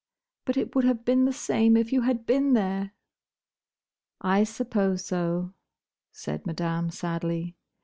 "But it would have been the same if you had been there!" "I suppose so," said Madame, sadly.